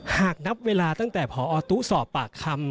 หากนับเวลาตั้งแต่พอตู้สอบปากคำ